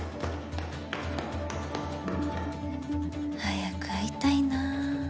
早く会いたいな。